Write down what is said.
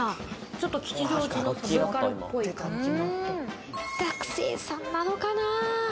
ちょっと吉祥寺のサブカルっぽい感じが、学生さんなのかな？